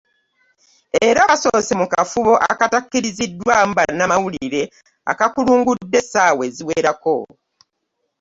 Era basoose mu kafubo akatakkiriziddwamu bannamawulire akakulungudde essaawa eziwerako